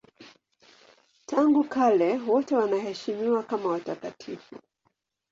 Tangu kale wote wanaheshimiwa kama watakatifu.